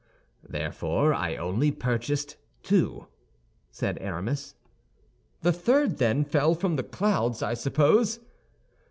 "Therefore I only purchased two," said Aramis. "The third, then, fell from the clouds, I suppose?"